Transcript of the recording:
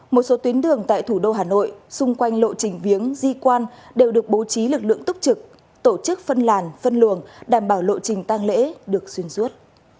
một số tuyến đường tại thủ đô hà nội xung quanh lộ trình viếng di quan đều được bố trí lực lượng túc trực tổ chức phân làn phân luồng đảm bảo lộ trình tăng lễ được xuyên suốt